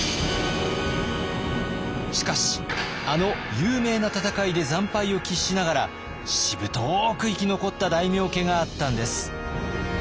しかしあの有名な戦いで惨敗を喫しながらしぶとく生き残った大名家があったんです。